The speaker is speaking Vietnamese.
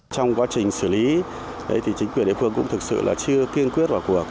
trong quá trình xử lý chính quyền địa phương cũng thực sự chưa kiên quyết vào cuộc